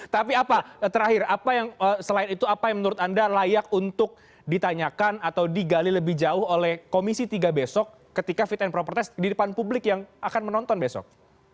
tapi apa terakhir apa yang selain itu apa yang menurut anda layak untuk ditanyakan atau digali lebih jauh oleh komisi tiga besok ketika fit and proper test di depan publik yang akan menonton besok